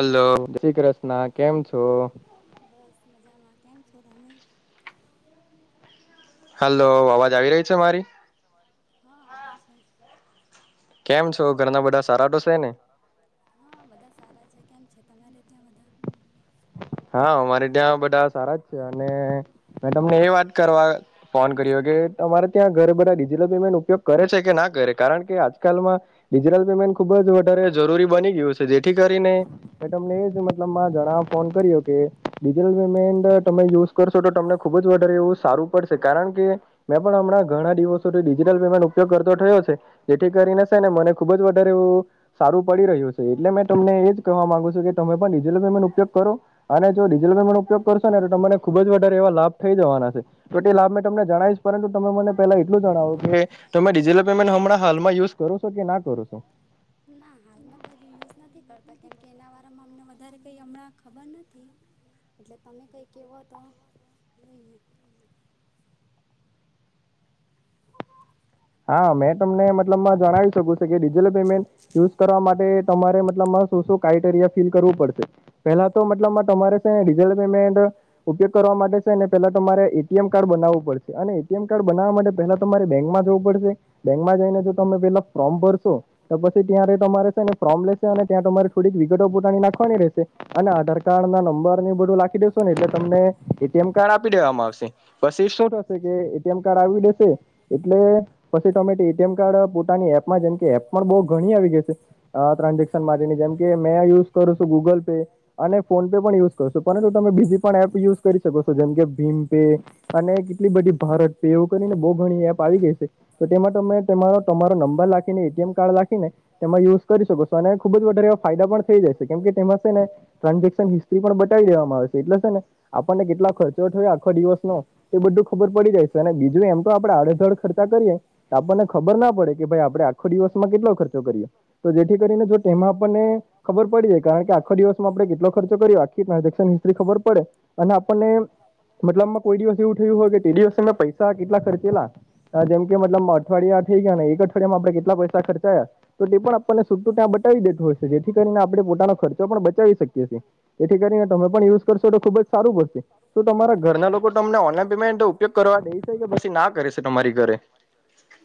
Hello જ શ્રી ક્રશ્ર્ન કેમ છો? બસ મજામાં. કેમ છો તમે? હલો. હલો અવાજ આવી રહી છે મારી. હા આવે છે. કેમ છો? ઘરના બઢા સારા તો છે ને? રાતો છે ને. હા બધા સારા છે કેમ છે તમારે ત્યાં બધા. હા અમારે ત્યાં બધા સારા જ છે અને મે તમને એ વાત કરવા ફોન કર્યો કે તમારે ત્યાં ઘર બધા ડિજિટલ પેમેન્ટ ઉપયોગ કરે છે કે ના કરે કારણ કે આજકાલમાં ડિજિટલ પેમેન્ટ ખુબ જ વધારે જરૂરી બની ગ્યું છે જેથી કરીને એ તમને એ જ મે મતલબમાં જણાવા ફોન કર્યો કે ડિજટલ પેમેન્ટ તમે યુઝ કરશો તો તમને ખુબ જ વધારે એવું સારું પડશે કારણ કે મેં પણ હમણાં ઘણા દિવસોથી ડિજિટલ પેમેન્ટ ઉપયોગ કરતો થયો છે. એથી કરીને છે ને મને ખુબ જ વધારે એવું સારું પડી રહ્યું છે એટલે મેં તમને એજ કહેવા માંગુ છું કે તમે પણ ડીજેલ પેમેન્ટ ઉપયોગ કરો અને જો ડિજિટલ પેમેનો ઉપયોગ કરશો ને તો તમારે ખુબ જ વધારે એવા લાભ થઇ જવાના છે. તોતે લાભ મેં તમને જણાવીશ પરંતુ તમે મને પેલા એટલું જણાવો કે તમે ડિજિટલ પેમેન્ટ હમણાં હાલમાં યુઝ કરો છો કે ના કરો છો. ના હાલમાં તો હજુ યુઝ નથી કરતા કેમકે એના વારામાં અમને વધારે કંઈ હમણાં ખબર નથી. એટલે તમે કંઈ કેવો તો જોઈએ. હા મેં તમને મતલબમાં જણાવી શકું છે કે ડિજિટલ પેમેન્ટ યુઝ કરવા માટે તમારે મતલબમાં શું શું ક્રાઈટેરિયા ફીલ કરવું પડશે પેલા તો મતલબમા તમારે છે ડિઝલ પેમેન્ટ ઉપયોગ કરવા માટે છે ને પેલા તમારે એટીએમ કાર્ડ બનાવવું પડશે અને એટીએમ કાર્ડ બનાવવા માટે પેલા તમારે બેંકમાં જવું પડશે બેંકમાં જઈને જો તમે પેલા ફ્રોમ ભરશો તો પછી ત્યારે તમારે છે ને ફ્રોમલેસ છે ને ત્યાં તમારી થોડીક વિગતો પોતાની નાખવાની રહેશે અને આધાર કાર્ડ ના નંબર ને બધું લાખી દે છે ને એટલે તમને એટીએમ કાર્ડ આપી દેવામાં આવશે પછી શું થશે કે એટીએમ કાર્ડ આવી દે છે એટલે પછી તોમે તે એટીએમ કાર્ડઅ પોતાની એપમાં જેમ કે એપ પણ બહ ઘણી આવી ગઈ છે અ ટ્રાન્ઝેક્શન માટેની જેમકે મેં યુઝ કરું છું ગુગલ પે અને ફોન પે પણ યુઝ કરશું તમે તો પણ એ બીજી પણ એપ યુઝ કરી શકો છો જેમકે ભીમ પે અને કેટલી બધી ભારત પે એવું કરીને બહુ ઘણી એપ આવી ગઈ છે તો તેમાં તો અમે તમારો તમારો નંબર લાખીને એટીએમ કાર્ડ લાખીને તેમાં યુઝ કરી શકો છો અને ખુબ જ વધારેવા ફાયદા પણ થઈ જાય છે કેમ કે તેમાં છે ને ટ્રાન્ઝેક્શન હિસ્ટ્રી પણ બતાાવી દેવામાં આવે છે એટલે છે ને આપણને કેટલો ખર્ચો થયો આખો દિવસનો એ બધું ખબર પડી જાય છે અને બીજું એમ તો આપડે આડેધડ ખર્ચ ર્ચા કરીએ આપણ ને ખબર ના પડે કે ભાઈ આપણે આખો દિવસમાં કેટલો ખર્ચો કરીએ તો જેથી કરીને જો તેમાં આપણને ખબર પડી જાય કારણ કે આખો દિવસમાં આપણે કેટલો ખર્ચો કરીએ આખી ટ્રાન્ઝેક્શન હિસ્ટ્રી ખબર પડે અને આપણને મતલબમાં કોઈ દિવસ એવું થયું હોય કે તે દિવસેમે પૈસા કેટલા ખર્ચેલા જેમ કે મતલબ અઠવાડિયા થઈ ગયા ને એક અઠવાડિયા માં આપણે કેટલા પૈસા ખર્ચયા તો તે પણ આપણને સૂટુ ત્યાં બતાવી દેતું હોય. જેથી કરીને આપણે પોતાનો ખર્ચો પણ બચાવી શકીએ છીએ એથી કરીને તમે પણ યુઝ કરશો તો ખુબ જ સારું પડશે. તો તમારા ઘરના લોકો તમને ઓનલાઈન પેમેન્ટ ઉપયોગ કરવા દે શકે કે પછી ના કરે છે તમારી ઘરે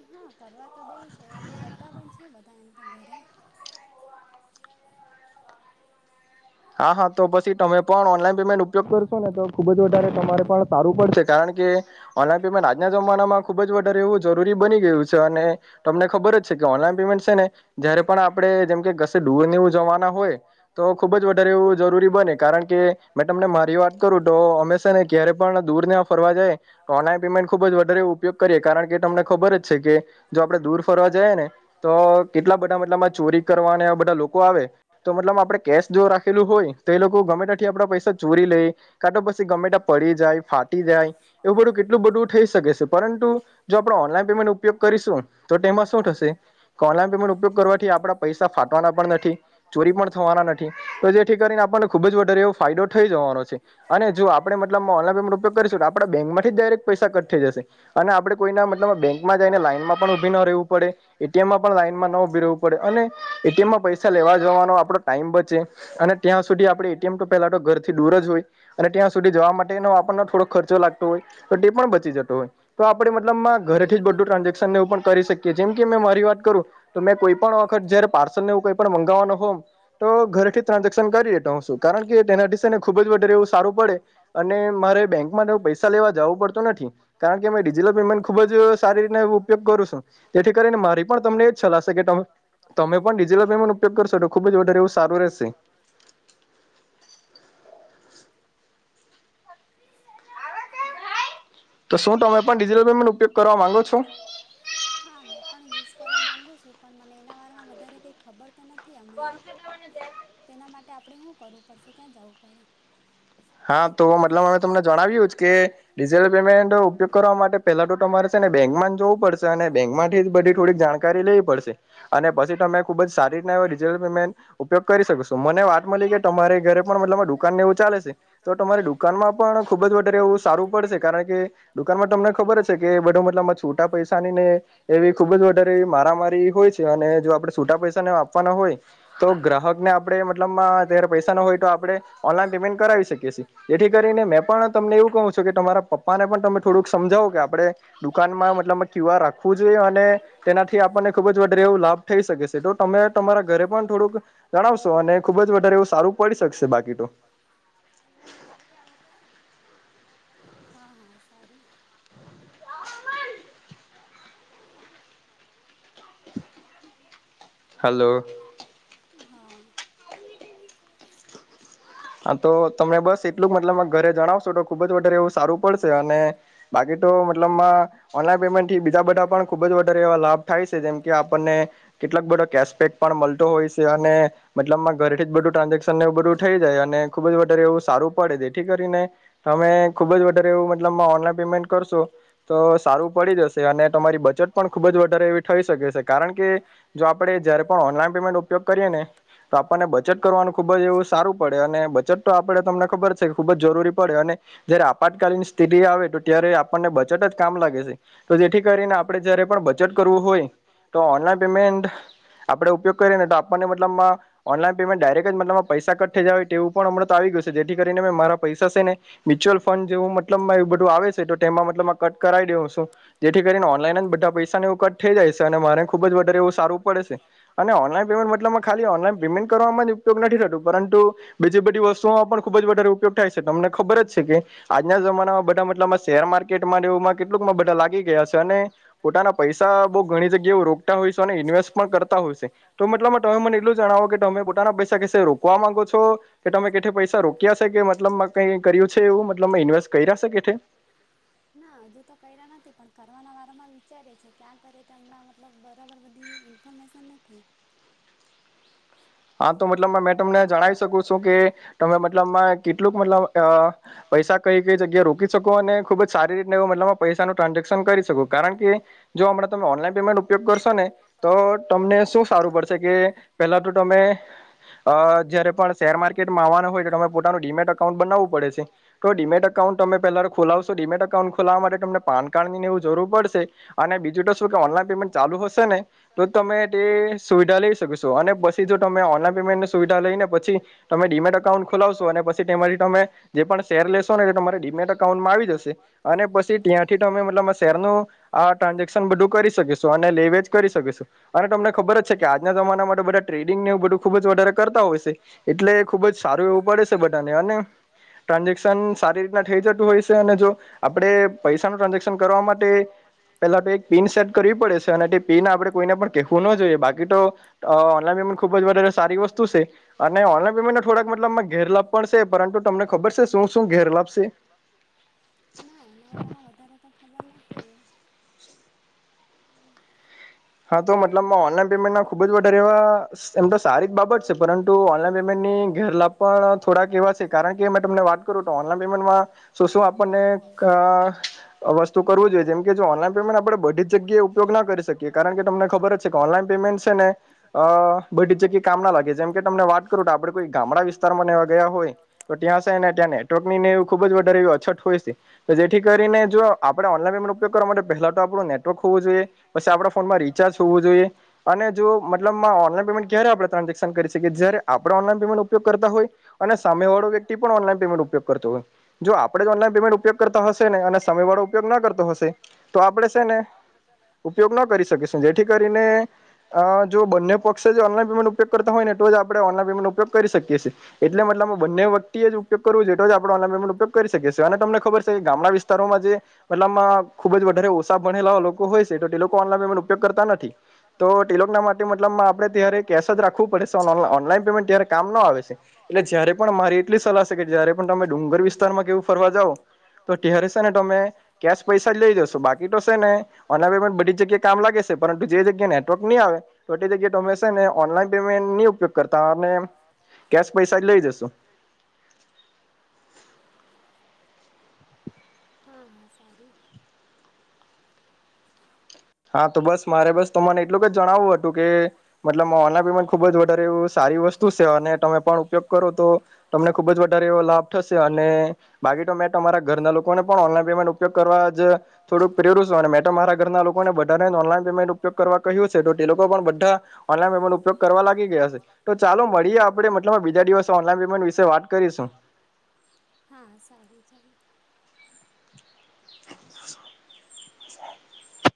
હા કરવા તો દઈ છે એમ કરતા પણ છે બધા એમ તો ઘરે હા હા તો પછી તમે પણ ઓનલાઈન પેમેન્ટ ઉપયોગ કરશો ને તો ખુબ જ વધારે તમારે પણ સારું પડશે કારણ કે ઓનલાઈન પેમેન્ટ આજના જમાનામાં ખૂબ જ વધારે એવું જરૂરી બની ગયું છે અને તમને ખબર જ છે કે ઓનલાઈન પેમેન્ટ છે ને જયારે પણ આપણે જેમ કે કસે દુરને એવુ જવાના હોય તો ખુબ જ વધારે [inaudible] જરૂરી બને કારણ કે મેં તમને મારી વાત કરું તો અ અમે સે ને ક્યારે પણ દૂરને એવા ફરવા જાયે ઓનલાઈન પેમેન્ટ ખુબ જ વધારે ઉપયોગ કરીએ કારણ કે તમને ખબર જ છે કે જો આપડે દૂર ફરવા જઈએ ને તો કેટલા બધા મતલબમાં ચોરી કરવા અને બધા લોકો આવે તો મતલબ આપડે કેશ જો રા ખેલું હોય તો એ લોકો ગમે તા થી આપડા પૈસા ચોરી લઈ કાટો પછી ગમે તા પડી જાય ફાટી જાય એવું બધું કેટલું બધું થઈ શકે છે પરંતુ જો આપણે ઓનલાઈન પેમેન્ટ ઉપયોગ કરીશું તો તેમાં શું થશે ઓનલાઈન પેમેન્ટ ઉપયોગ કરવાથી આપડા પૈસા ફાટવાના પણ નથી ચોરી પણ થવાના નથી તો જે થી કરીને આપણને ખુબ જ વધારે એવો ફાયદો થઈ જવાનો છે અને જો આપણે મતલબ ઓનલાન પેમેન્ટનો ઉપયોગ કરીશું આપ ડા બેંકમાંથીજ ડાયરેક્ટ પૈસા કટ થઈ જશે અને આપણે કોઈના મતલબ બેંકમાં જઈને લાઈનમાં પણ ઉભી ન રહેવું પડે એ ટી એમ માં પણ લાઈનમાં ન ઉભી રેવું પડે અને એ ટી એમ માં પૈસા લેવા જવાનો આપડો ટાઈમ બચે અને ત્યાં સુધી આપડી એ ટી એમ પેલા ઘરથી દૂર જ હોય અને ત્યાં સુધી જવા માટેનો આપ થોડો ખર્ચો લાગ તો હોય તો તે પણ બચી જતો હોય તો આપણે મતલબમાં ઘરે થી જ બધું ટ્રાન્ઝેક્શનને એ પણ કરી શકીએ જેમ કે અ મારી વાત કરું તો મેં કોઈ પણ વખત જયારે પાર્સલ ને એવુ કઈ પણ મંગાવાનો હોમ તો ઘરે થી ટ્રાન્ઝેક્શન કરી દેતો હોવ સુ કારણ કે તેનાથી સે ને ખુબ વધારે એવું સારું પડે અને મારે બેંકમાં ને એવુ પૈસા લેવા જવું પડતું નથી કારણકે મેં ડીજીટલ પેમેન્ટ ખુબ જ સારી રીતનાએવું ઉપયોગ કરું છું જેથી કરીને મારી પણ તમને એ જ સલાહશે કે તમે પણ ડિજિટલ પેમેન્ટનો ઉપયોગ કરશો તો ખુબ જ વધારે એવું સારું રહેશે. તો શું તમે પણ ડિજિટલ પેમેન્ટ ઉપયોગ કરવા માગો છો? હા મેં પણ યુઝ કરવા માંગુ છું પણ મને એના વારમાં વધારે કંઈ ખબર તો નથી હમણાં તેના માટે આપણે હું કરવું પડશે ક્યાં જાવું પડે? હા તો મતલબ મે તમને જણાવ્યું કે ડિજિટલ પેમેન્ટ ઉપયોગ કરવા માટે પેલા તો તમારે છે ને બેંકમાં જ જોવું પડશે અને બેંકમાંથી બધી થોડીક જાણકારી લેવી પડશે અને પછી તમે ખુબ જ સારી રીતના ડીજીટલ પેમેન્ટ ઉપયોગ કરી શકશો મને વાત મલીકે તમારે ઘરે પણ મતલબ દુકાન ને એવું ચાલે છે તો તમારી દુકાનમાં પણ ખુબ જ વધારે એવું સારું પડશે કારણ કે દુકાનમાં તમને ખબર છે કે બધો મતલબમાં છુ ટા પૈસાની ને એવી ખુબ જ વધારે મારામારી હોય છે અને જો આપણેે છૂટા પૈસાને આપવાના હોય તો ગ્રાહક ને આપડે મતલબ જયારે પૈસા ન હોય તો આપણે ઓનલાઈન પેમેન્ટ કરાવી શકીએ છીએ. જેથી કરીને મેં પણ તમને એવું કહું છું કે તમારા પપ્પા ને પણ તમે થોડુંક સમજાવો કે આપણે દુકાનમાં મતલબમા ક્યુઆર રાખવું જોઈએ અને તેનાથી આપણને ખુબ જ વધારે એવો લાભ થઈ શકે છે. તો તમે તમારા ઘરે પણ થોડુંક જણાવશો અને ખુબ જ વધારે એવું સારું પડી શકશે બાકી તો હા હા સારું હલો હા [inaudible] હા તો તમેં બસ એટલું મતલબ ઘરે જણાવશો તો ખુબ જ વધારે એવું સારું પડશે અને બાકી તો મતલબમાં ઓનલાઈન પેમેન્ટ થી બીજા બધા પણ ખુબ જ વધારે એવા લાભ થાય છે જેમ કે આપણને કેટલાક બધો કેશબેક પણ મલતો હોય છે અને મતલબમાં ઘરેથી જ બધું ટ્રાન્ઝેક્શન એવું બધું થઈ જાય ને ખૂબ જ વધારે એવું સારું પડે જેથી કરીને તમે ખુબ જ વધારે એવું મતલબ ઓનલાઈન પેમેન્ટ કરશો તો સારું પડી જશે અને તમારી બચત પણ ખુબ જ વધારે એવી થઈ શકે છે કારણ કે જો આપડે જયારે પણ ઓનલાઈન પેમેન્ટ ઉપયોગ કરીએ ને તો આપણને બચત કરવાનું ખુબ જ એવું સારું પડે અને બચત તો આપ તમને ખબર છે ખુબ જ જરૂરી પડે અને જયારે આપાતકાલીન સ્થિતિ આવે તો ત્યારે આપણને બચટ જ કામ લાગે છે તો જેથી કરીને આપણે જયારે પણ બચટ કરવું હોય તો ઓનલાઈન પેમેન્ટ આપણે ઉપયોગ કરીએ ને તો આપણને મતલબમાં ઓનલાઈન પેમેન્ટ ડાયરેક્ટ જ મતલબ પૈસા કટ થઈ જાય તેવું પણમ આવી ગય જેથી કરીને મે મારા પૈસા છે ને મ્યુચ્યુઅલ ફંડ જેવું મતલબ એવ બધું આવે છે તો તેમાં મતલબ કટ કરાવ દેવ છું જેથી કરીને ઓનલાઈન જ બધા પૈસાને એવ કટ થઈ જાય છે અને મારે ખુબ જ વધારે એવું સારું પડે છે અને. ઓનલાઈન પેમેન્ટ મતલબ ખાલી ઓન લાઈન પેમેન્ટ ઉપયોગ નથી થતો પરંતુ બીજી બધી વસ્ત વતુ ખબ જ વધારે ઉપયોગ થાય છે તમને ખબર જ છે કે આજના જમાનામાં બધા મતલબ શેર માર્કેટમાંમાં કેટલુંકમાં બધા લાગી ગયા છે અને પોતાના પૈસા બઉ ઘણી જગ્યા એવું રો અને ઇન્વેસ્મેટ પણ કરતા હોય છે તો મતલબ તમે મને એટલુ જણાવો કે તમે પોતાના પૈસા કે રો કશે રોકવા માંગો છો કે તમે કે એલે તમે કેટ પૈસા રોક્યા હશે કે મતલબમાં કઈ કર્યું છે એવું મતલબ ઇન્વેસ્ટ કરી હશે કે ના હજુ તો કર્યા નથી પણ કરવાના વારામાં વિચારે છે ક્યાં કરે તો હમણાં મતલબ બરાબર બધી ઇ ઇન્ફર્મેશન નથી હા તો મતલબ મે તમને જણાવી શકું છું કે તમે મતલબમાં કેટલુંક મતલબ પૈસા કઈ કઈ જગ્યા રોકી શકો અને ખુબ જ સારી રીતને મતલબ પૈસા નું ટ્રાન્ઝેક્શન કરી શકો કારણ કે જો હમણાં તમે ઓનલાઈન પેમેન્ટ ઉપયોગ કરશો ને તો તમને શું સારું પડશે કે પેલા તો ત મેં તમે અ જયારે પણ શેર માર્કેટમાં આવવાનું હોય તોરે પોતાનું ડીમેટ અકાઉન્ટ બનાવવું પડે છે તો ડીમેટ અકાઉન્ટ તમે પહેલા ખોલાવશો ડીમેટ અકાઉન્ટ ખોલાવા માટે તમને પાન કાર્ડ નીને એવું જરૂર પડશે. અને બીજું તો શું કે ઓનલાઈન પેમેન્ટ ચાલુ હશે ને તો તમે તે સુવિધા લઈ શકો છો અને પછી જો તમે ત ઓનલાન પેમેન્ટની સુવિધા લઈને પછી તમે ડીમેટ અઉન્ટ ખોલાવશો અને પછી તેમાંથી તમે જે પણ શેર લેશો ને એટલે તમારે ડીમેટ અકાઉન્ટમાં આવી જશે અને પછી ત્યાંથી તમે મતલબ આ શેરનું આ ટ્રાન્ઝેક્શન બધું કરી શકીશું અને લેવે જ કરી શકીશું અને તમને ખબર જ છે, કે આજના તમાના માટે બધા ટ્રેડિંગ ને એવુ બધું ખુબ જ વધારે કરતા હોય છે એટલે ખુબ જ સારું એવું પડે છે, બધાને અને ટ્રાન્ઝેક્શન સારી રીતના થઈ જતું હોય છે, અને જો આપણે પૈસા ન ટ્રાન્ઝેક્શન કરવા માટે પેલા તો એક પિન સેટ કરવી પડે છે અને તે પિન આપડણે કોઈને પણ કહેવું ન જોઈએ બાકી તો ઓનલાઈન ખૂબ જ વધા સારી વસ્તુ છે અને ઓનલાઈન પેમેન્ટ થોડાક મતલબ ઘેરલાાભ પણ છે પરંતુ તમને ખબર છે, શું શું ઘેરલાભ [inaudible] ના એના વાળામાં વધારે તો ખબર નથી હમ્મ હા તો મતલબ ઓનલાઈન પેમેન્ટ ના ખુબ જ વર એવા એમ તો સારી એક બાબત છે પરંતુ ઓનલાઈન પેમેન્ટની ઘેરલાભ પણ થોડાક એવા છે કારણ કે મે તમને વાત કરું તો ઓનલાઈન પેમેન્ટમાં તો શું આપણને વસ્તુ કરવું જોઈએ જેમ કે જો ઓનલાઈન પેમેન્ટ આપે બધી જ જગ્યાએ ઉપયો ના કરી શકીએ કારણ કે તમને ખબર જ છે, કે ઓનલાઈન પેમેન્ટ છે ને અ બધી જગ્યાએ કામ ના લાગે જેમ કે તમને વાત કરું આપણે કોઈ ગામડા વિસ્તારમાંવા ગયા હોય તો ત્યાં છે, ને ત્યાંને નેટવર્ક ને એવી ખુબ જ વધારે એવી અછત હોય છે, તો જેથી કરીને જો આપણે ઓનલાઈન પે ઉપયોગ કરવા માટે પહેલા તો આપણું નેટ નેટવર્ક હોવું જોઈએ પછી આપણે ફોનમા રિચાર્જ હોવું જોઈ અને મતલબ મા ઓનલાઇન પેમેન્ટ કયારે આપણે [unintelligible] ટ્રાનજેકશન કરી શકીએ આપણે ઓનલાઈન ઉપયોગ કરતા હોય અને સામે વાળો વ્યક્તિ ઉપયોગ કરતો હોય જો આપણેે જ ઓનલાઈન પેમેન્ટ ઉપયોગ કરતા હશે ને અને સમય વાળો ઉપયોગ ના કરતો હશે તો આપણેે છે, ને ઉપયોગ ના કરી શકેશ જેથી કરીને જો બંને પક્ષેજનલાએ ઓનલાઇન ઉપયોગ કરતા હોય ને તો જ આપણે ઓનલાન પેમેન્ટ ઉપયોગ કરી શકીએીએ એટલે મતબમાં બંને વ્યક્તિ જ ઉપયોગ કરવું જોઈએ તો જ આપણે ઓન ઉપયોગ કરી શકીએીએ અને તમને ખબર છે, કે ગામડા વિસ્તારોમાં જે મતલબ ખુબ જ વધારે ઓછા ભણેલા લોકો હોય છે, તો તે લોકો ને. કરતા નથી, તો લોકોના માટે મતલબમાં આપે ત્યારે કેશ રાખવું પડે, ઓનલાઇન પેમેન્ટ ત્યારે કામ આવે છે. એટલે જ્યારે પણ મારી એટલી સલાહ છે. એટલી સલાહ કે જયારે પણ તમે ડુંગર વિસ્તારમાં કેવું ફરવા જાવ તો, કહે છે ને. કે પૈસા જ લઈ દેશો, બાકી તો છે ને, ઓનલાઈન પેમેન્ટ બધી જગ્યા કામ લાગે છે. પરંતુ જે જગ્યા નેટવર્ક નહીં આવે, તો જગ્યાએ તમે છેને. તમે છે ને, ઓનલાઈન પેમેન્ટ નો ઉપયોગ કરતા અને કેશ પૈસા જ લઈ દેેશો. હા, હા, સારું. હા, તો બસ. મારે બસ તમને એટલું જ જણાવવું હતું કે, મતલબ મોની ખુબ જ વધારે એવું સારી વસ્તુ છે, અને તમે પણ ઉપયોગ કરો તો તમને ખુબ જ વધારે એવો લાભ થશે, અને બામે તમારેઘરના લોકોને પણ ઓનન પેમેન્ટ ઉપયોગ કરવા જ થોડું પ્રેરવુ જોઈએ, અને મે મારા ઘરના. લોકોને બધાને જ ઓનલાઇન પેમેન્ટ ઉપયોગ કરવા કહ્યું છે, તો તે લોકો તે બધા ઉપયોગ કરવા લાગી ગયા છે. તો ચાલો, મળીએ. આપે મતલબ, બીજા દિવસે ઓનલાઈન પેમેન્ટ વિશે વાત કરીશું. હા, સારું. ચાલો.